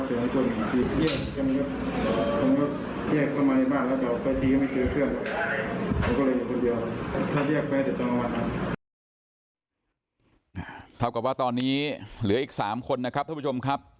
แต่ว่าแต่ว่าตอนนี้เหลืออีก๓คนนะครับทุกผู้ชมครับ